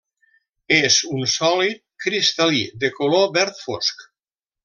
És un sòlid cristal·lí de color verd fosc.